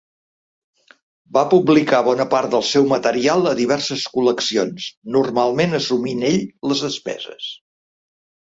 Va publicar bona part del seu material a diverses col·leccions, normalment assumint ell les despeses.